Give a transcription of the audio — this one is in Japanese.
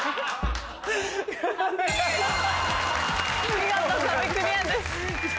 見事壁クリアです。